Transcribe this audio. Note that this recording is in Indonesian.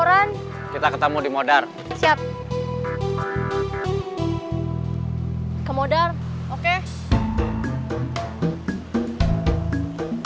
dakar kalau concerts tidak penting